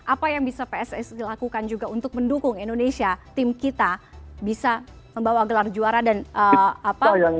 apa yang bisa pssi lakukan juga untuk mendukung indonesia tim kita bisa membawa gelar juara dan apa